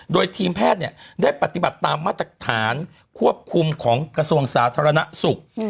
โดยทีมแพทย์ได้ปฏิบัติตามมาตรฐานควบคุมของกระทรวงสาธารณสุข